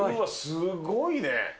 すごいね。